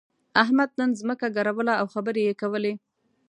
احمد نن ځمکه ګروله او خبرې يې کولې.